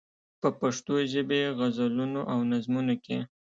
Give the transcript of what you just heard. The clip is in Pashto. په پښتو ژبې غزلونو او نظمونو کې.